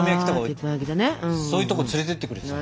そういうとこ連れていってくれてたの。